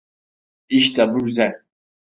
İşte bu güzel.